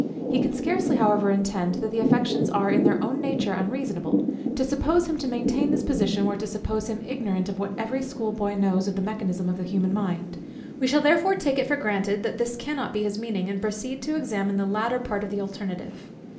He can scarcely however intend that the affections are in their own nature unreasonable. To suppose him to maintain this position, were to suppose him ignorant of what every schoolboy knows of the mechanism of the human mind. We shall therefore take it for granted, that this cannot be his meaning, and proceed to examine the latter part of the alternative.